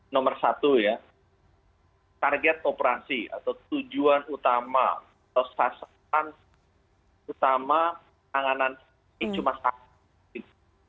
nomor satu ya target operasi atau tujuan utama atau sasaran utama anganan ini cuma satu